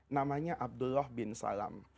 namanya abdullah bin salam